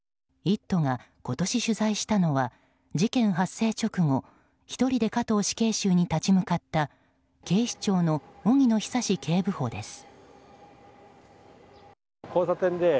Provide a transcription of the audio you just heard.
「イット！」が今年取材したのは事件発生直後１人で加藤死刑囚に立ち向かった警視庁の荻野尚警部補です。